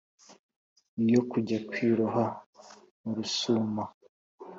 Iyo kujya kwiroha mu rusuma.